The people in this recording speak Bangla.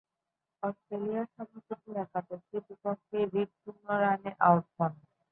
অস্ট্রেলিয়া সভাপতি একাদশের বিপক্ষে রিড শূন্য রানে আউট হন।